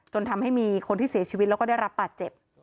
ทำให้มีคนที่เสียชีวิตแล้วก็ได้รับบาดเจ็บ